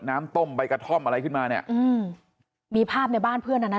น้ำต้มใบกระท่อมอะไรขึ้นมาเนี้ยอืมมีภาพในบ้านเพื่อนอันนั้น